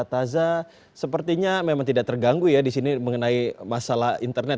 taza sepertinya memang tidak terganggu ya di sini mengenai masalah internet